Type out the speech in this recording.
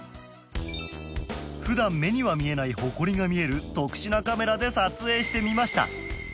普段目には見えないホコリが見える特殊なカメラで撮影してみました